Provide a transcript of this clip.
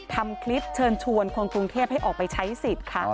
ทำคลิปเชิญชวนคนกรุงเทพให้ออกไปใช้สิทธิ์ค่ะ